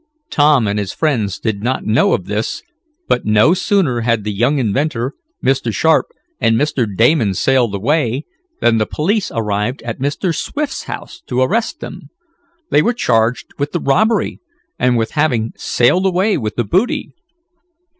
Tom and his friends did not know of this, but, no sooner had the young inventor, Mr. Sharp and Mr. Damon sailed away, than the police arrived at Mr. Swift's house to arrest them. They were charged with the robbery, and with having sailed away with the booty.